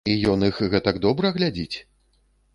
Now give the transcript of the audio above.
І ён іх гэтак добра глядзіць?